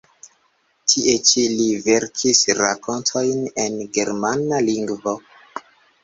Tie ĉi li verkis rakontojn en germana lingvo.